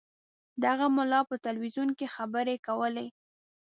دغه ملا په تلویزیون کې خبرې کولې.